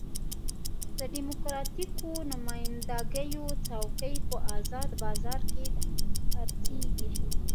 د ډیموکراتیکو نماینده ګیو څوکۍ په ازاد بازار کې خرڅېږي.